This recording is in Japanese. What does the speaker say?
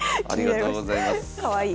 かわいい。